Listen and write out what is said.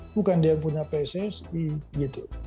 bukan dia punya pssi gitu